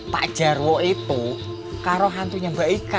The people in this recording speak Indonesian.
pak jarwo itu karena hantunya mbak ika